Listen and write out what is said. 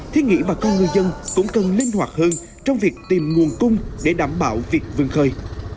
thế nghĩ bà con ngư dân cũng cần linh hoạt hơn trong việc tìm nguồn cung để đảm bảo việc vương khơi